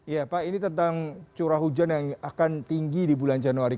ya pak ini tentang curah hujan yang akan tinggi di bulan januari